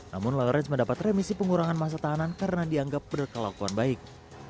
namun laurage mendapat remisi pengurangan masa tahanan karena dianggap berkelakuan baik